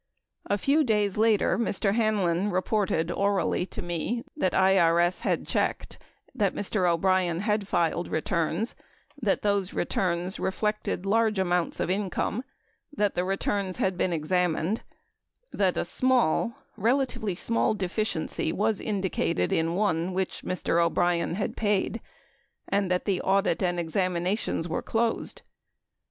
A few days later, Mr. Hanlon reported orally to me that IBS had checked, that Mr. O'Brien had filed re turns ; that those returns reflected large amounts of income ; that the returns had been examined ; that a small, relatively small deficiency was indicated in one which Mr. O'Brien had paid; and that the audit and examinations were closed.